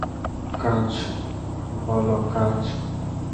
কাজ বলো কাজ?